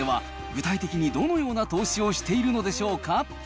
具体的にどのような投資をしているのでしょうか。